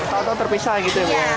tau tau terpisah gitu ya mbak